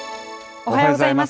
おはようございます。